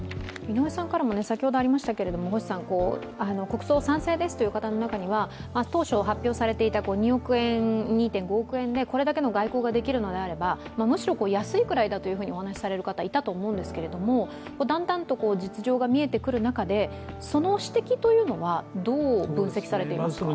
国葬賛成ですという人の中には、当初、発表されていた２．５億円で、これだけの外交ができるのであれば、むしろ安いくらいだとお話される方いたと思うんですけどだんだんと実情が見えてくる中でその指摘というのは、どう分析されていますか。